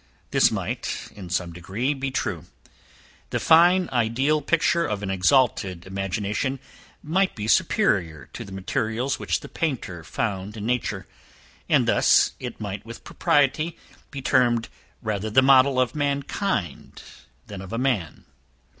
This might, in some degree, be true. The fine ideal picture of an exalted imagination might be superior to the materials which the painter found in nature, and thus it might with propriety be termed rather the model of mankind than of a man.